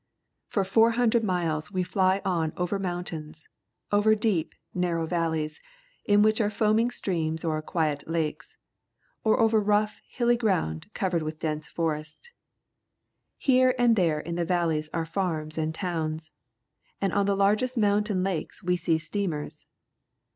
For four hundred miles we fly on over mountains, over deep, narrow valleys, in which are foaming streams or quiet lakes, or over rough, hiUy ground covered with dense forest. Here and there in the valleys are farms and towns, and on the largest mountain lakes we see steamers.